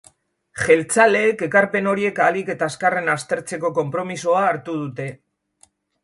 Jeltzaleek ekarpen horiek ahalik eta azkarren aztertzeko konpromisoa hartu dute.